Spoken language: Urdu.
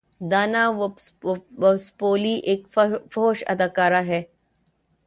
دانا وسپولی ایک فحش اداکارہ ہے